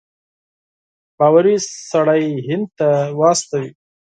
باوري سړی هند ته واستوي.